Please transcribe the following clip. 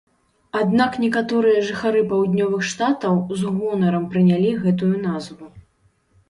Аднак некаторыя жыхары паўднёвых штатаў з гонарам прынялі гэтую назву.